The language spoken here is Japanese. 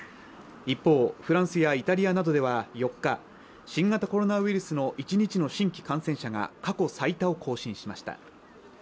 一方フランスやイタリアなどでは４日新型コロナウイルスの１日の新規感染者が過去最多を更新しました